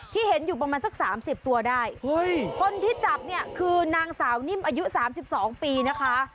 ที่เห็นอยู่ประมาณสัก๓๐ตัวได้คนที่จับเนี่ยคือนางสาวนิ่มอายุ๓๒ปีนะคะ